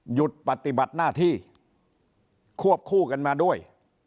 หยุดปฏิบัติหน้าที่ควบคู่กันมาด้วย